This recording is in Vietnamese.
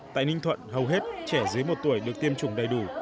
tại ninh thuận hầu hết trẻ dưới một tuổi được tiêm chủng đầy đủ